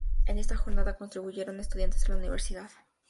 En esta jornada contribuyeron estudiantes de la Universidad Dr.